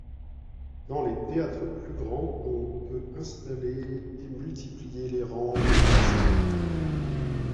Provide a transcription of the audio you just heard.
Dans les théâtres plus grands, on peut installer multiplier les rangs de vases.